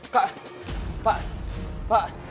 kak pak pak